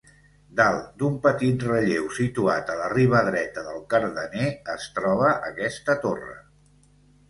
Dalt d'un petit relleu situat a la riba dreta del Cardener es troba aquesta torre.